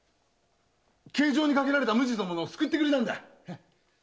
刑場にかけられた無実の者を救ってくれたんだ。